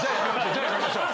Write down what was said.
じゃあやめましょう。